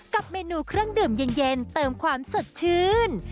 กับเมนูเครื่องดื่มเย็นเติมความสดชื่น